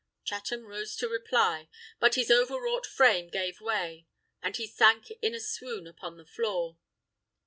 Chatham rose to reply, but his overwrought frame gave way, and he sank in a swoon upon the floor.